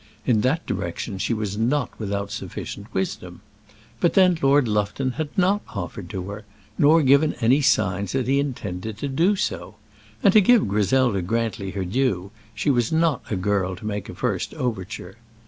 In that direction she was not without sufficient wisdom. But then Lord Lufton had not offered to her, nor given any signs that he intended to do so; and to give Griselda Grantly her due, she was not a girl to make a first overture.